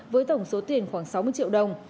với tổng số tiền khoảng sáu mươi triệu đồng